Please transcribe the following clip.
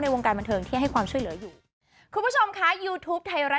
ในวงการบันเทิงที่ให้ความช่วยเหลืออยู่